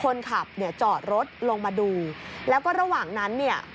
คนขับเนี่ยจอดรถลงมาดูแล้วก็ระหว่างนั้นเนี่ย